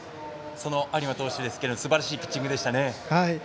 有馬投手でしたけれどもすばらしいピッチングでしたね。